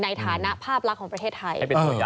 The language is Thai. ในฐานะภาพลักษณ์ของประเทศไทย